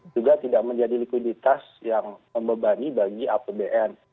juga tidak menjadi likuiditas yang membebani bagi apbn